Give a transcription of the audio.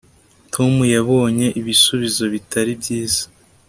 tom yabonye ibisubizo bitari byiza